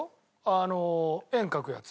あの円描くやつ。